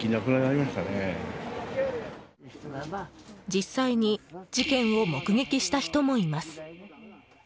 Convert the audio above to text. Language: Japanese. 実際に事件を目撃した人もいます。